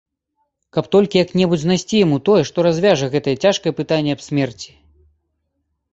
Каб толькі як-небудзь знайсці яму тое, што развяжа гэта цяжкае пытанне аб смерці!